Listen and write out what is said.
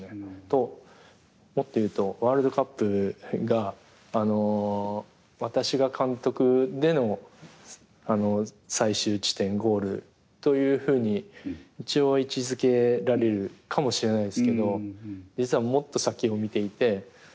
ともっと言うとワールドカップが私が監督での最終地点ゴールというふうに一応位置づけられるかもしれないですけど実はもっと先を見ていて。